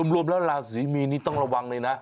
รวมราศีมีนี่ต้องระวังเลยนะ